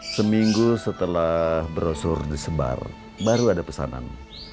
seminggu setelah brosur disebar baru ada pesanan